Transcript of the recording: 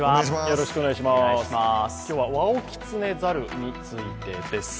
今日はワオキツネザルについてです。